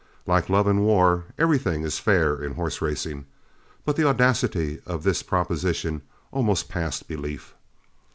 Like love and war, everything is fair in horse racing, but the audacity of this proposition almost passed belief.